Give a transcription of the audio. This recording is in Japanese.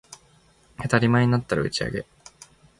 当たり前になった打ち上げ